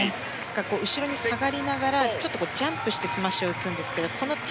後ろに下がりながら、ちょっとジャンプして、スマッシュを打つんですけれども。